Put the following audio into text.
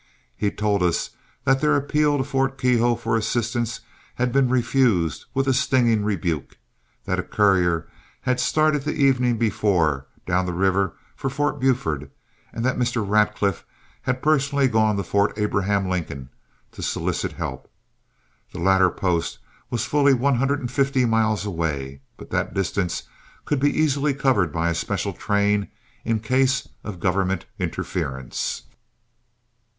He told us that their appeal to Fort Keogh for assistance had been refused with a stinging rebuke; that a courier had started the evening before down the river for Fort Buford, and that Mr. Radcliff had personally gone to Fort Abraham Lincoln to solicit help. The latter post was fully one hundred and fifty miles away, but that distance could be easily covered by a special train in case of government interference.